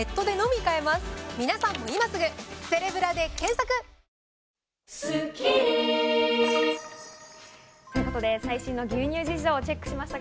皆さんも今すぐセレブラで検索！ということで最新の牛乳事情をチェックしました。